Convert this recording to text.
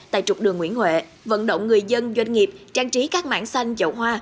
tại trục đường nguyễn huệ vận động người dân doanh nghiệp trang trí các mảng xanh chậu hoa